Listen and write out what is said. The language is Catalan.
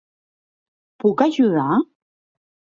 Puc ajudar?